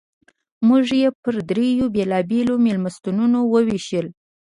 موږ یې پر درې بېلابېلو مېلمستونونو ووېشل.